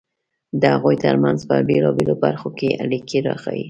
د هغوی ترمنځ په بېلابېلو برخو کې اړیکې راښيي.